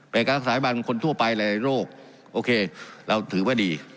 เป็นกรรภาพยาบาลคนทั่วไปในโรคโอเคเราถือว่าดี